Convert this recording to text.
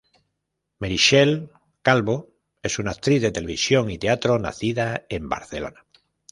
Meritxell Calvo es una actriz de televisión y teatro nacida en Barcelona.